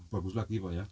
bagus lagi pak ya